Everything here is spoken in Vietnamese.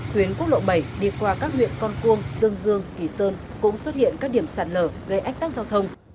tuyến quốc lộ bảy đi qua các huyện con cuông tương dương kỳ sơn cũng xuất hiện các điểm sạt lở gây ách tắc giao thông